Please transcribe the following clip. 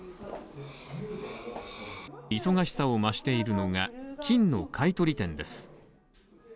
忙しさを増しているのが金の買取店です。